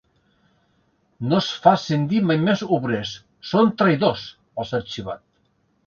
No es facin dir mai més obrers; són traïdors, els ha etzibat.